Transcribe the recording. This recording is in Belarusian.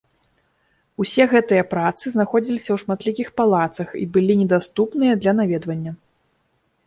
Усе гэтыя працы знаходзіліся ў шматлікіх палацах і былі недаступныя для наведвання.